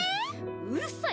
うるさい！